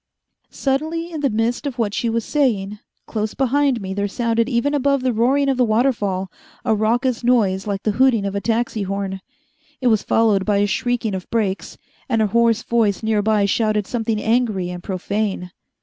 Suddenly, in the midst of what she was saying, close behind me there sounded even above the roaring of the waterfall a raucous noise like the hooting of a taxi horn. It was followed by a shrieking of brakes, and a hoarse voice near by shouted something angry and profane.